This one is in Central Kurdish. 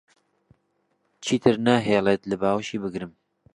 چیتر ناهێڵێت لە باوەشی بگرم.